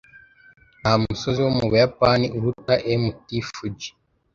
Nta musozi wo mu Buyapani uruta Mt. Fuji.